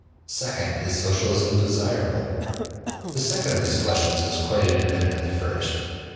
Second, Is Socialism desirable? The second of these questions is quite independent of the first.